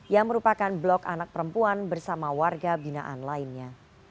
yang merupakan blok anak perempuan bersama warga binaan lainnya